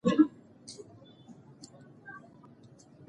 کله چې نسلونه لوستل کوي، تجربې له منځه نه ځي.